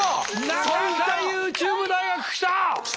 中田ＹｏｕＴｕｂｅ大学きた！